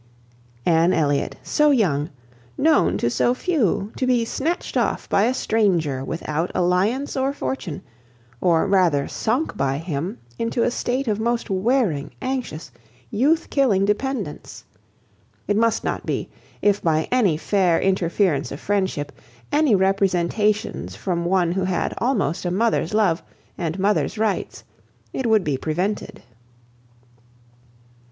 Anne Elliot, so young; known to so few, to be snatched off by a stranger without alliance or fortune; or rather sunk by him into a state of most wearing, anxious, youth killing dependence! It must not be, if by any fair interference of friendship, any representations from one who had almost a mother's love, and mother's rights, it would be prevented.